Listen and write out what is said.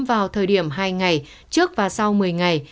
vào thời điểm hai ngày trước và sau một mươi ngày